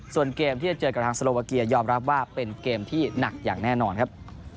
ส่วนเกมที่จะเจอกับทางสโลวาเกียยอมรับว่าเป็นเกมที่หนักอย่างแน่นอนครับ